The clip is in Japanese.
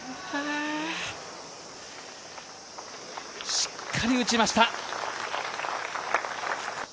しっかり打ちました。